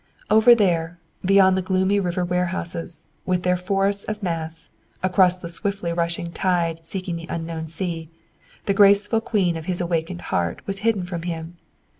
Over there, beyond the gloomy river warehouses, with their forests of masts, across the swiftly rushing tide seeking the unknown sea, the graceful Queen of his awakened heart was hidden from him.